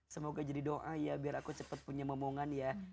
semoga jadi doa ya biar aku cepat punya momongan ya